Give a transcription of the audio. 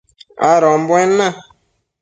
adombuen na